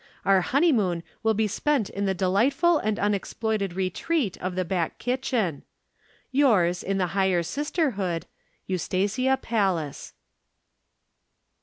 Our honeymoon will be spent in the delightful and unexploited retreat of the back kitchen. "Yours, in the higher sisterhood, "EUSTASIA PALLAS."